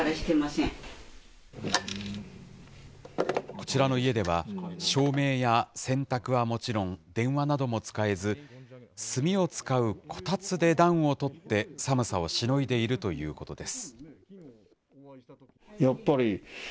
こちらの家では、照明や洗濯はもちろん、電話なども使えず、炭を使うこたつで暖をとって、寒さをしのいでいるということです。